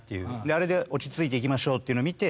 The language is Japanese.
あれで落ち着いていきましょうっていうのを見て。